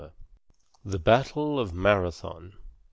XLIV. THE BATTLE OF MARATHON.